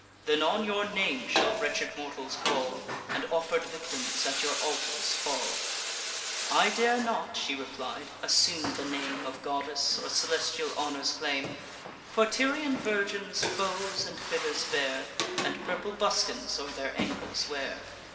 Then on your name shall wretched mortals call, And offer'd victims at your altars fall." "I dare not," she replied, "assume the name Of goddess, or celestial honours claim: For Tyrian virgins bows and quivers bear, And purple buskins o'er their ankles wear.